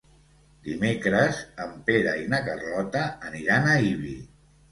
Dimecres en Pere i na Carlota aniran a Ibi.